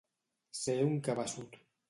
Ser un cabeçut.